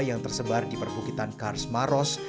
yang tersebar di perbukitan kars maros